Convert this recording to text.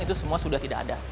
itu semua sudah tidak ada